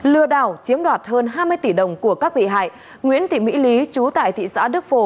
lừa đảo chiếm đoạt hơn hai mươi tỷ đồng của các bị hại nguyễn thị mỹ lý chú tại thị xã đức phổ